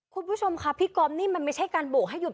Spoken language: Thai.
คุณผู้ชมครับพี่กรมมันไม่ใช่การโบกให้หยุด